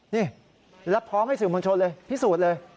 นี่แล้วพร้อมให้สื่อมวลชนเลยพิสูจน์เลย